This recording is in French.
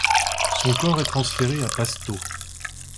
Son corps est transféré à Pasto.